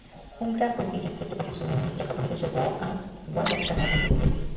Un gran contingente de tropas y suministros japoneses llegó a Guadalcanal al día siguiente.